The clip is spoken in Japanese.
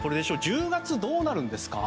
１０月はどうなるんですか？